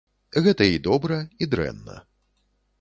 Гэта і добра і дрэнна.